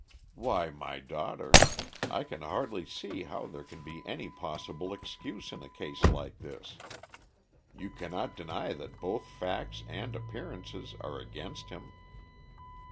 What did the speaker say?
"Why, my daughter, I can hardly see how there can be any possible excuse in a case like this. You cannot deny that both facts and appearances are against him."